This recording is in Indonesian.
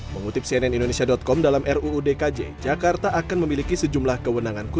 mengutip cnn indonesia com dalam ruu dkj jakarta akan memiliki sejumlah kewenangan